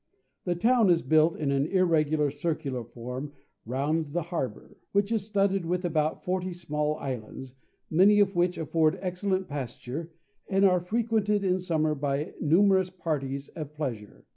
The town is built in an irregular circular form round the harbour, which is studded with about forty small islands, many of which afford excellent pasture; and are frequented in summer by numerous parties of pleasure.